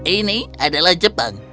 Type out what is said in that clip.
ini adalah jepang